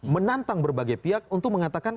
menantang berbagai pihak untuk mengatakan